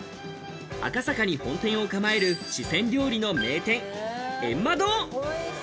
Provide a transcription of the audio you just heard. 赤坂に本店を構える四川料理の名店、炎麻堂。